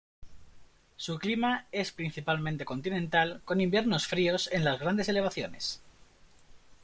Su clima es principalmente continental con inviernos fríos en las grandes elevaciones.